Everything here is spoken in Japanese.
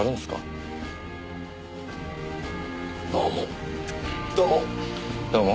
どうも。